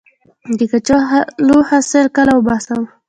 د کچالو حاصل کله وباسم؟